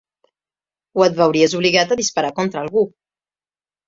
O et veuries obligat a disparar contra algú